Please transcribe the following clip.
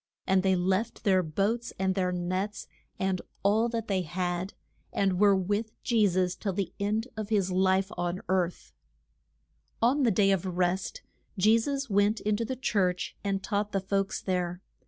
And they left their boats and their nets, and all that they had, and were with Je sus till the end of his life on earth. [Illustration: THE WON DER FUL DRAUGHT OF FISH ES.] On the Day of Rest, Je sus went in to the church and taught the folks there.